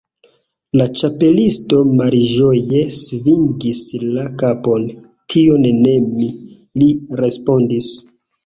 La Ĉapelisto malĝoje svingis la kapon. "Tion ne mi," li respondis.